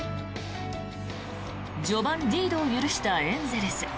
序盤、リードを許したエンゼルス。